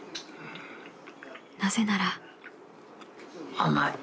［なぜなら］